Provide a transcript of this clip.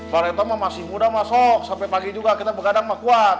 pak retomo masih muda sampai pagi juga kita bergadang kuat